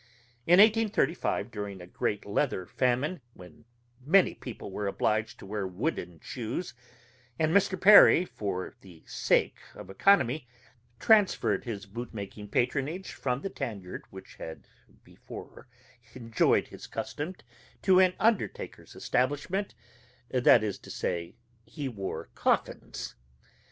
In 1835, during a great leather famine, many people were obliged to wear wooden shoes, and Mr. Perry, for the sake of economy, transferred his bootmaking patronage from the tan yard which had before enjoyed his custom, to an undertaker's establishment that is to say, he wore coffins.